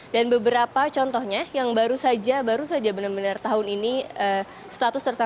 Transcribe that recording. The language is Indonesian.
dan beberapa contohnya yang baru saja baru saja benar benar tahun ini status tersangkanya diangkat yaitu taufiq qurrahman